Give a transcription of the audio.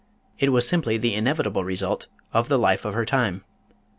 It was simply the inevitable result of the life of her time.